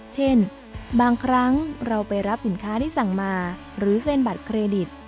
เช่นบางครั้งเราไปรับสินค้าที่สั่งมาหรือเส้นบัตรเครดิต